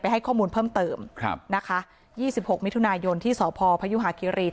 ให้ข้อมูลเพิ่มเติมครับนะคะ๒๖มิถุนายนที่สพพยุหาคิรี